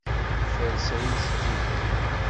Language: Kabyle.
Nferres ayen zeddigen.